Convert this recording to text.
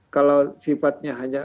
kalau sifatnya hanya